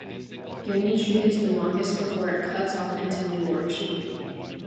Union Street is the longest before it cuts off into Newark Street.